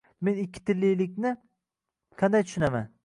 Men ikkitillilikni qanday tushunaman?